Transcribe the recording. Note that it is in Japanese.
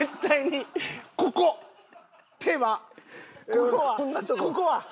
ここはここは歯！